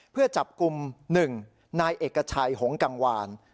เพื่อจับกลุ่ม๑นายเอกชัยหงกังวาน